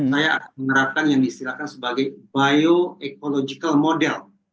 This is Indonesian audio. saya akan menerapkan yang diistilahkan sebagai bioetological model